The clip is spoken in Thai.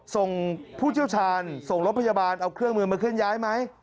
ส่งผู้เชี่ยวชาญส่งรถพยาบาลเอาเครื่องมือมาเคลื่อนย้ายไหม